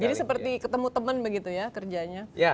jadi seperti ketemu temen begitu ya kerjanya